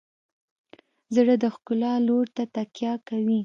زړه د ښکلا لور ته تکیه کوي.